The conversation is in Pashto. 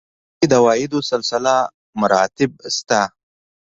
لکه په امریکا کې د عوایدو سلسله مراتب شته.